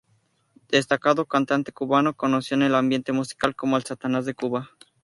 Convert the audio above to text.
Destacado cantante cubano, conocido en el ambiente musical como "El Satanás de Cuba".